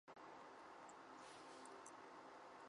山东掖县人。